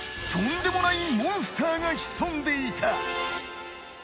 とんでもないモンスターが潜んでいた！